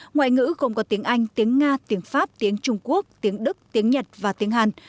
ngoại ngữ gồm có tiếng anh tiếng nga tiếng pháp tiếng trung quốc tiếng đức tiếng nhật và tiếng hàn